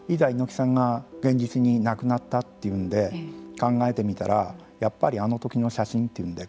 猪木さんが現実に亡くなったっていうんで考えてみたらやっぱりあの時の写真というんで。